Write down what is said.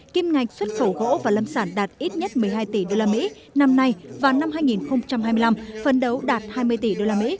kim ngạch xuất khẩu gỗ và lâm sản đạt ít nhất một mươi hai tỷ usd năm nay và năm hai nghìn hai mươi năm phấn đấu đạt hai mươi tỷ usd